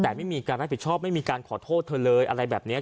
แต่ไม่มีการรับผิดชอบไม่มีการขอโทษเธอเลยอะไรแบบนี้